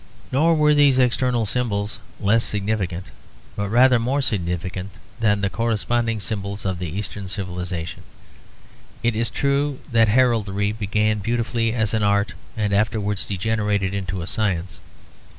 Nor were these external symbols less significant, but rather more significant than the corresponding symbols of the Eastern civilisation. It is true that heraldry began beautifully as an art and afterwards degenerated into a science.